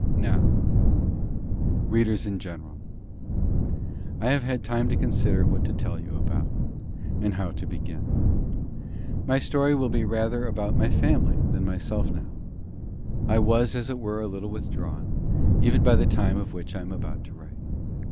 Now, readers in general, I have had time to consider what to tell you about, and how to begin. My story will be rather about my family than myself now. I was as it were a little withdrawn, even by the time of which I am about to write.